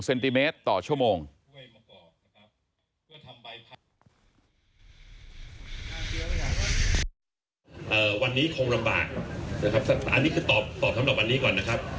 วันนี้คงลำบากนะครับอันนี้คือตอบตอบสำหรับวันนี้ก่อนนะครับ